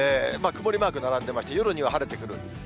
曇りマーク並んでいまして、夜には晴れてくる。